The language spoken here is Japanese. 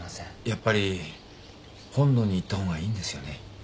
やっぱり本土に行ったほうがいいんですよね？